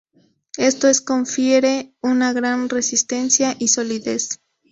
Esto es confiere una gran resistencia y solidez.